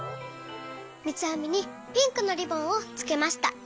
みつあみにピンクのリボンをつけました。